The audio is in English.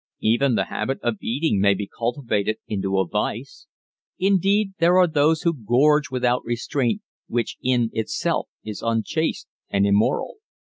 Even the habit of eating may be cultivated into a vice. Indeed, there are those who gorge without restraint, which in itself is unchaste and immoral.